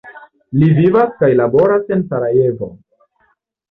Li vivas kaj laboras en Sarajevo.